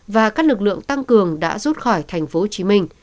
và các lực lượng tăng cường đã rút khỏi tp hcm